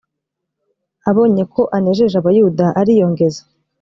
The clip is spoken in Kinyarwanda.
abonye ko anejeje abayuda ariyongeza